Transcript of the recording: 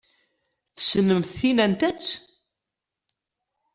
Tessnemt tin anta-tt?